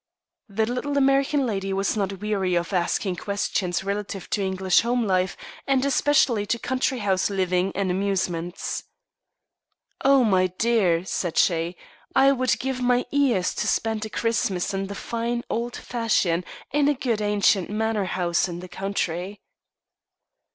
The little American lady was not weary of asking questions relative to English home life, and especially to country house living and amusements. "Oh, my dear!" said she, "I would give my ears to spend a Christmas in the fine old fashion in a good ancient manor house in the country."